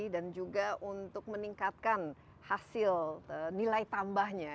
dan juga untuk meningkatkan hasil nilai tambahnya